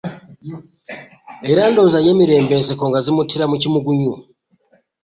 Era ndowooza ye Mirembe enseko nga zimuttira muli kimugunyu.